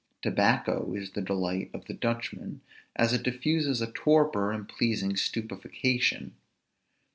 Tobacco is the delight of Dutchmen, as it diffuses a torpor and pleasing stupefaction.